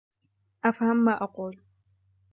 افهم ما أقول.